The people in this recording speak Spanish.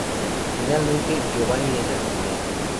Finalmente, Giovanni es asesinado.